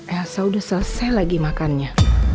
elsa udah selesai lagi makannya